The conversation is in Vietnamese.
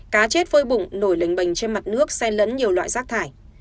cá chết phơi bụng nổi lính bềnh trên mặt nước xe lấn nhiều loại rác thải